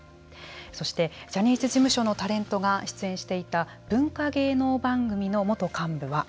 そしてジャニーズ事務所のタレントが出演していた文化芸能番組の元幹部は。